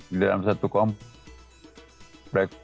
di dalam satu kompo